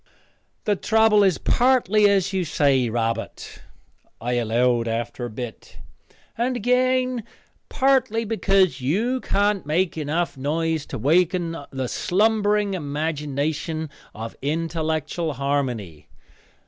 "The trouble is partly as you say, Robert," I allowed after a bit, "and again partly because you can't make enough noise to awaken the slumbering imagination of intellectual Harmony.